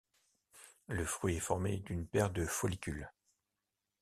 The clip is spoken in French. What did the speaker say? Le fruit est formé d'une paire de follicules.